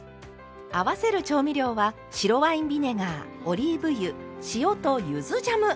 合わせる調味料は白ワインビネガーオリーブ油塩とゆずジャム！